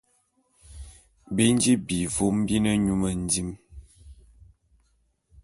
Bi nji vôm bi ne nyu mendim.